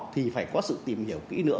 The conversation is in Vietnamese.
thì phải có sự tìm hiểu kỹ nữa